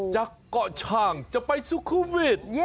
จากเกาะชางจะไปสุขุมวิทย์